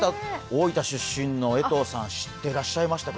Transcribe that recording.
大分出身の江藤さん、知ってらっしゃいました？